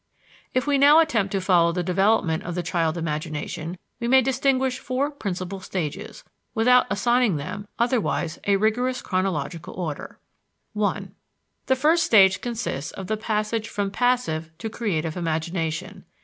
If we now attempt to follow the development of the child imagination, we may distinguish four principal stages, without assigning them, otherwise, a rigorous chronological order. 1. The first stage consists of the passage from passive to creative imagination.